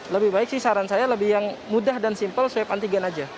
lebih baik sih saran saya lebih yang mudah dan simpel swab antigen aja